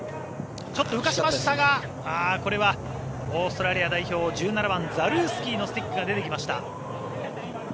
ちょっと浮かしましたがこれはオーストラリア代表１７番ザルースキーのスティックが出てきました。